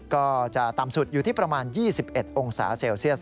ก็จะต่ำสุดอยู่ที่ประมาณ๒๑องศาเซลเซียส